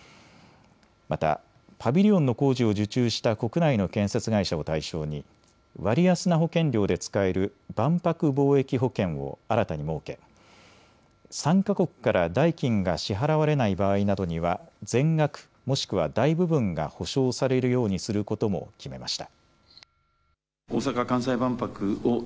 またパビリオンの工事を受注した国内の建設会社を対象に割安な保険料で使える万博貿易保険を新たに設け、参加国から代金が支払われない場合などには全額、もしくは大部分が補償されるようにすることも決めました。